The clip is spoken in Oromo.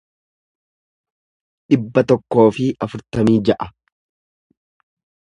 dhibba tokkoo fi afurtamii ja'a